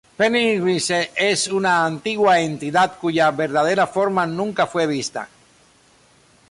Pennywise es una antigua entidad cuya verdadera forma nunca fue vista.